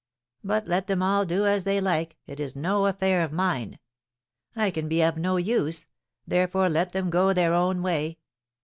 But let them all do as they like; it is no affair of mine. I can be of no use, therefore let them go their own way.